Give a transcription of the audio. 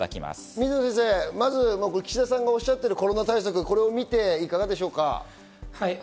水野先生、岸田さんがおっしゃってるコロナ対策を見ていかがですか？